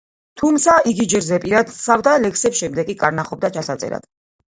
თუმცა, იგი ჯერ ზეპირად თხზავდა ლექსებს, შემდეგ კი კარნახობდა ჩასაწერად.